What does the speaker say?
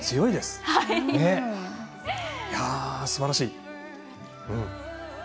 いやー、すばらしい。